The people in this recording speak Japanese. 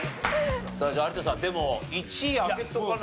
さあじゃあ有田さんでも１位開けとかないと。